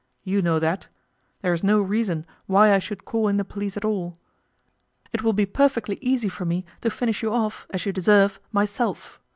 You know that. There is no reason why I should call in the police at all. It will be perfectly easy for me to finish you off, as you deserve, myself.